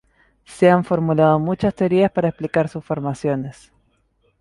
Se han formulado muchas teorías para explicar sus formaciones.